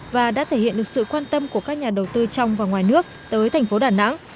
và đã thể hiện được sự quan tâm của các nhà đầu tư trong và ngoài nước tới thành phố đà nẵng